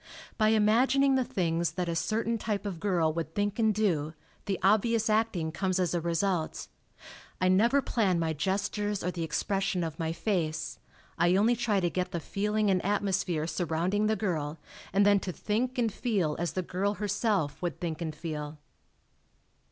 By imagining the things that a certain type of girl would think and do, the obvious acting comes as a result. I never plan my gestures or the expression of my face I only try to get the feeling and atmosphere surrounding the girl and then to think and feel as the girl herself would think and feel."